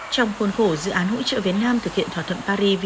trong khuôn khổ dự án hỗ trợ việt nam thực hiện thỏa thuận nông dân chân nuôi